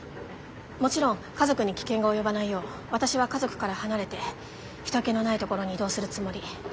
もちろん家族に危険が及ばないよう私は家族から離れて人けのないところに移動するつもり。